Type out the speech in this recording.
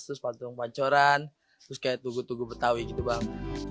terus patung pancoran terus kayak tugu tugu betawi gitu bang